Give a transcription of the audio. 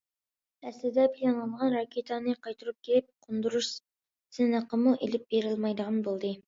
ئەسلىدە پىلانلانغان راكېتانى قايتۇرۇپ كېلىپ قوندۇرۇش سىنىقىمۇ ئېلىپ بېرىلمايدىغان بولدى.